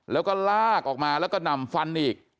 แล้วก็ลากออกมาแล้วก็นำฟันอีก